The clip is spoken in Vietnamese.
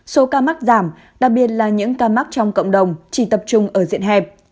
số ca mắc giảm đặc biệt là những ca mắc trong cộng đồng chỉ tập trung ở diện hẹp